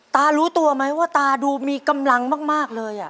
ตารู้ตัวไหมว่าตาดูมีกำลังมากเลย